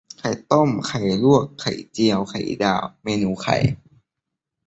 ไข่ต้ม ไข่ลวก ไข่เจียว ไข่ดาว เมนูไข่